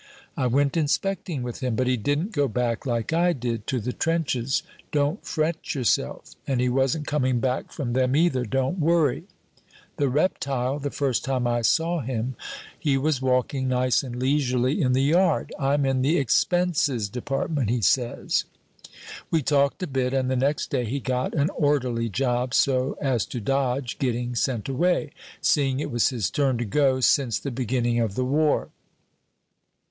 I went inspecting with him, but he didn't go back, like I did, to the trenches, don't fret yourself, and he wasn't coming back from them either, don't worry! The reptile, the first time I saw him he was walking nice and leisurely in the yard 'I'm in the Expenses Department,' he says. We talked a bit, and the next day he got an orderly job so as to dodge getting sent away, seeing it was his turn to go since the beginning of the war.